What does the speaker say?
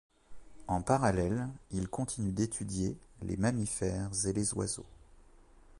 En parallèle, il continue d’étudier les mammifères et les oiseaux.